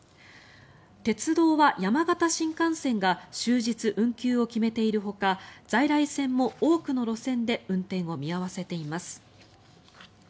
鉄道は山形新幹線が終日運休を決めているほか在来線も多くの路線で運転を見合わせています。